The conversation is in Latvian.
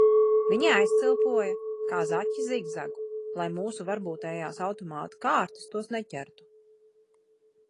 Viņi aizcilpoja, kā zaķi zigzagu, lai mūsu varbūtējās automātu kārtas tos neķertu.